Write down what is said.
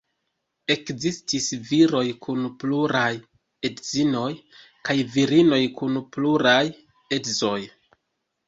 Ekzistis viroj kun pluraj edzinoj, kaj virinoj kun pluraj edzoj.